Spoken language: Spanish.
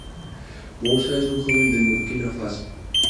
Moussa es un joven de Burkina Faso.